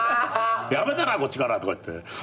辞めたらあこっちからとか言って。